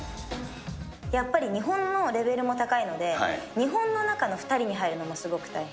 やっぱり日本のレベルも高いので、日本の中の２人に入るのもすごく大変。